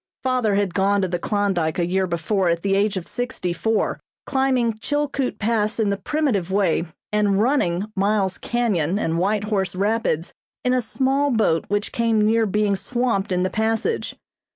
Father had gone to the Klondyke a year before at the age of sixty four, climbing Chilkoot Pass in the primitive way and "running" Miles Canyon and White Horse Rapids in a small boat which came near being swamped in the passage.